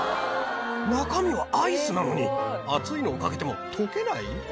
中身はアイスなのに熱いのをかけても溶けない？